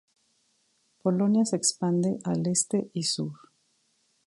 Polonia se expande al este y sur.